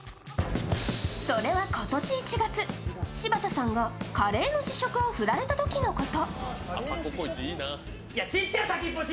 それは今年１月、柴田さんがカレーの試食を振られたときのこと。